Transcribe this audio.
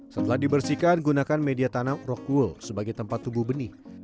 setelah dibersihkan gunakan media tanam rokuul sebagai tempat tubuh benih